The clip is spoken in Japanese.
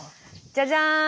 じゃじゃーん！